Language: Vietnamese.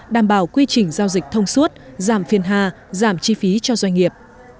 đảm bảo quy trình giao dịch thông suốt giảm phiền hà giảm chi phí cho doanh nghiệp